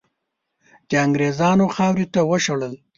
د انګریزانو خاورې ته وشړل.